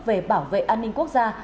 về bảo vệ an ninh quốc gia